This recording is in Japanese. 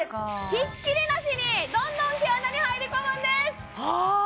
ひっきりなしにどんどん毛穴に入り込むんですあ！